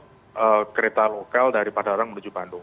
dan juga include kereta lokal dari padalarang menuju bandung